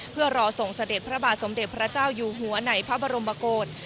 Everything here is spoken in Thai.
เพื่อรอส่งเสด็จพระบาทสมเด็จพระเจ้าอยู่หัวในพระบรมโกศ